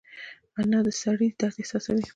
انا د سړي درد احساسوي